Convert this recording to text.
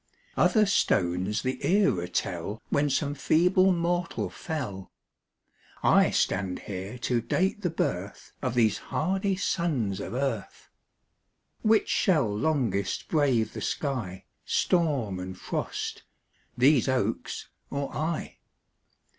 Other stones the era tell When some feeble mortal fell; I stand here to date the birth Of these hardy sons of earth. Which shall longest brave the sky, Storm and frost these oaks or I?